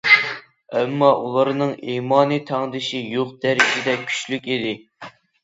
ئەمما ئۇلارنىڭ ئىمانى تەڭدىشى يوق دەرىجىدە كۈچلۈك ئىدى.